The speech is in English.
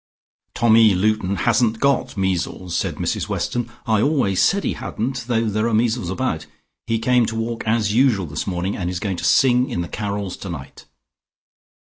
"Tommy Luton hasn't got measles," said Mrs Weston. "I always said he hadn't, though there are measles about. He came to work as usual this morning, and is going to sing in the carols tonight."